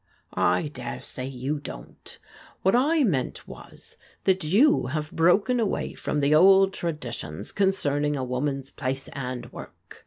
I dare say you don't. What I meant was, that you have broken away from the old traditions concerning a woman's place and work.